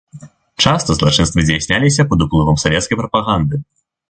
Часта злачынствы здзяйсняліся пад уплывам савецкай прапаганды.